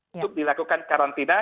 untuk dilakukan karantina